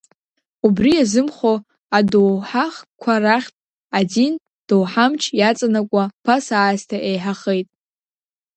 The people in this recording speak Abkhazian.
Убри иазымхо адоуҳахкқәа рахьтә, адин доуҳамч иаҵанакуа ԥаса аасҭа еиҳахеит.